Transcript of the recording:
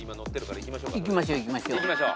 いきましょういきましょう。